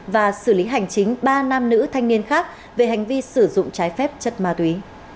và xử lý hành chính ba nam nữ thanh niên khác về hành vi sử dụng trái phép chất ma túy